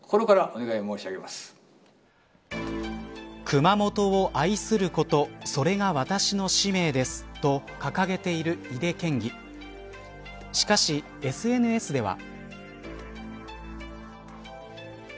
熊本を愛することそれが私の使命ですと掲げている井手県議しかし、ＳＮＳでは。